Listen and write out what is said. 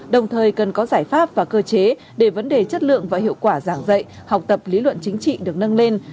đồng thời cần có giải pháp và cơ chế để vấn đề chất lượng và hiệu quả giảng dạy học tập lý luận chính trị được nâng lên